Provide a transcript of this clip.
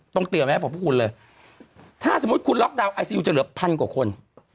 เตือนไหมบอกพวกคุณเลยถ้าสมมุติคุณล็อกดาวนไอซียูจะเหลือพันกว่าคน